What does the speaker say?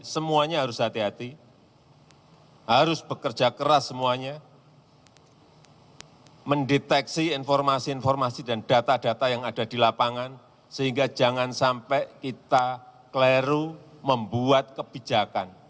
semuanya harus hati hati harus bekerja keras semuanya mendeteksi informasi informasi dan data data yang ada di lapangan sehingga jangan sampai kita kleru membuat kebijakan